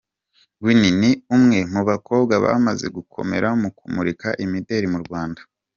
Winnie: Ni umwe mu bakobwa bamaze gukomera mu kumurika imideli mu Rwanda.